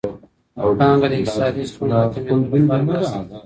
پانګه د اقتصادي ستونزو د کمېدو لپاره مرسته کوي.